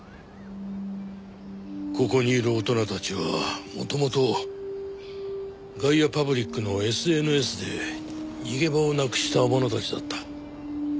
ここにいる大人たちは元々ガイアパブリックのＳＮＳで逃げ場をなくした者たちだった。